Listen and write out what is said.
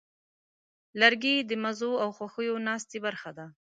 لرګی د مزو او خوښیو ناستې برخه ده.